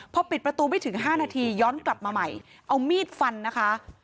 พอปิดประตูไม่ถึง๕นาทีย้อนกลับมาใหม่เอามีดฟันนะคะ